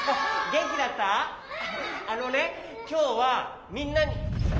あのねきょうはみんなに。